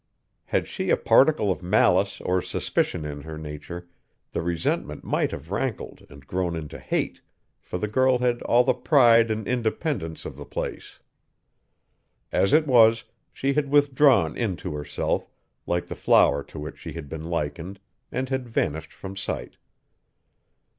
Had she a particle of malice or suspicion in her nature, the resentment might have rankled and grown into hate, for the girl had all the pride and independence of the place. As it was, she had withdrawn into herself, like the flower to which she had been likened, and had vanished from sight.